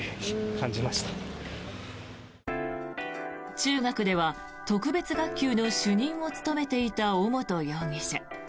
中学では、特別学級の主任を務めていた尾本容疑者。